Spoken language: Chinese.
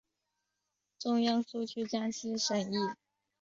中央苏区江西省设。